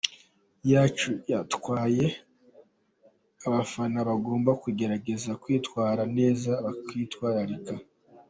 yacu yitwaye, ariko abafana bagomba kugerageza kwitwara neza, bakitwararika.